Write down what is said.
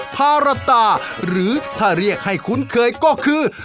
ภารตาหรือถ้าเรียกให้คุ้นเคยก็คือ